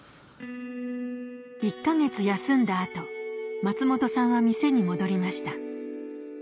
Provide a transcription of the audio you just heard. １か月休んだ後松本さんは店に戻りました